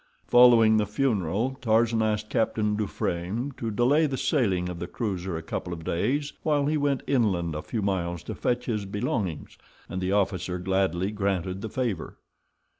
Following the funeral Tarzan asked Captain Dufranne to delay the sailing of the cruiser a couple of days while he went inland a few miles to fetch his "belongings," and the officer gladly granted the favor.